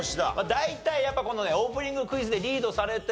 大体やっぱこのねオープニングクイズでリードされて。